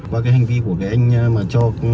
và cái hành vi của cái anh mà cho